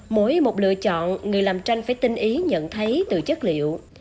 mỗi một lựa chọn người làm tranh phải tinh ý nhận thấy từ chất liệu